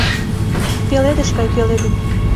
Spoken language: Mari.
Пеледыш гай пеледын